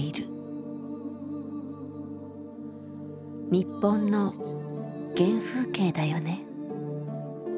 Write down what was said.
日本の原風景だよね。